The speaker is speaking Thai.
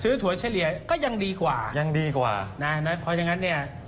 ซื้อถลิเหรียดก็ยังดีกว่านะฮะนั้นและเพราะฉะนั้นเนี่ย